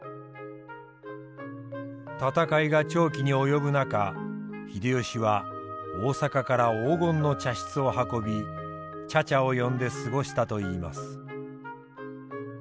戦いが長期に及ぶ中秀吉は大坂から黄金の茶室を運び茶々を呼んで過ごしたといいます。